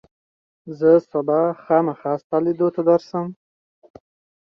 زه به سبا خامخا ستا لیدو ته درشم.